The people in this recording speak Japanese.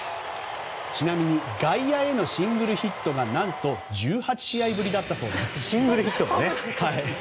ちなみに外野へのシングルヒットが何と１８試合ぶりだったそうです。